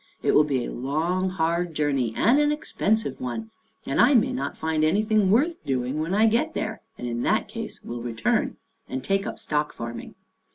It will be a long, hard journey and an expensive one, and I may not find anything worth doing when I get there, and in that case will return and take up stock farming.